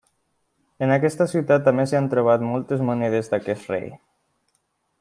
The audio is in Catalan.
En aquesta ciutat, també s'hi ha trobat moltes monedes d'aquest rei.